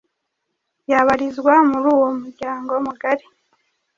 yabarizwa muri uwo muryango mugari